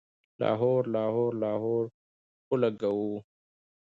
لاهور، لاهور، لاهور اولګوو